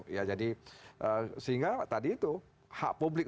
ya jadi sehingga tadi itu hak publik